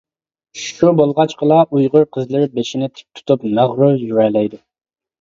شۇ بولغاچقىلا ئۇيغۇر قىزلىرى بېشىنى تىك تۇتۇپ، مەغرۇر يۈرەلەيدۇ.